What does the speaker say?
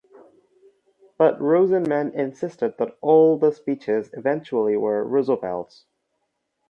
But Rosenman insisted that all the speeches eventually were Roosevelt's.